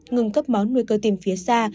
ngừng cấp máu nuôi cơ tim phía xa